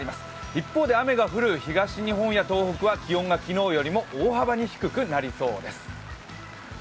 一方で雨が降る東日本や東北は気温が昨日より大幅に低くなりそうです。